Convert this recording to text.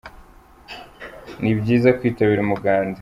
Nibyiza kwitabira umuganda.